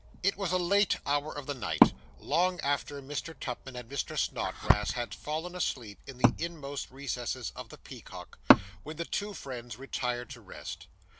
It was a late hour of the night long after Mr. Tupman and Mr. Snodgrass had fallen asleep in the inmost recesses of the Peacock when the two friends retired to rest.